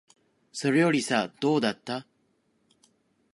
それよりさ、どうだった？